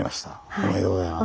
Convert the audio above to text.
おめでとうございます。